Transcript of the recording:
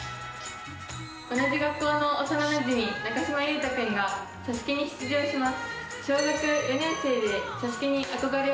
同じ学校の幼なじみ、中島結太君が「ＳＡＳＵＫＥ」に出場します。